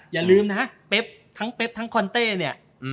อย่าลืมนะเป๊บทั้งเป๊บทั้งคอนเต้เนี่ย